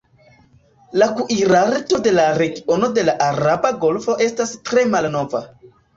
La kuirarto de la regiono de la araba golfo estas tre malnova.